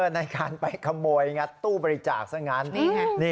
ในการไปขโมยงัดตู้บริจาคซะงั้น